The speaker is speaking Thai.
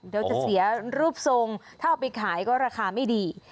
เดี๋ยวจะเสียรูปทรงถ้าเอาไปขายก็ราคาไม่ดี